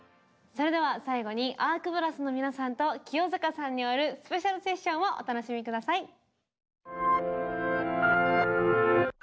それでは最後にＡＲＫＢＲＡＳＳの皆さんと清塚さんによるスペシャル・セッションをお楽しみ下さい。